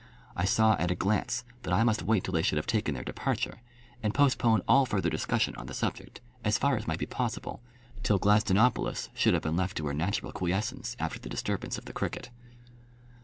I saw at a glance that I must wait till they should have taken their departure, and postpone all further discussion on the subject as far as might be possible till Gladstonopolis should have been left to her natural quiescence after the disturbance of the cricket.